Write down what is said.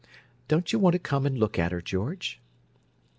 Don't you want to come and look at her, George?"